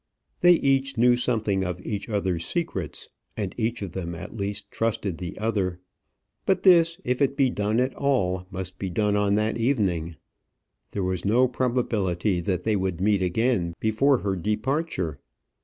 They each knew something of each other's secrets, and each of them, at least, trusted the other. But this, if it be done at all, must be done on that evening. There was no probability that they would meet again before her departure.